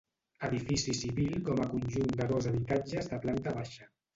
Edifici civil com a conjunt de dos habitatges de planta baixa.